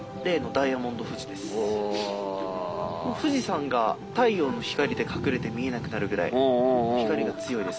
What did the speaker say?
富士山が太陽の光で隠れて見えなくなるぐらい光が強いですね。